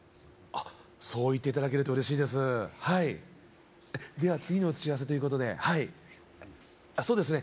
そう言っていただけると嬉しいですはいでは次の打ち合わせということではいそうですね